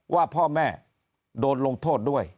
ว่าพ่อแม่โดนลงโทษด้วย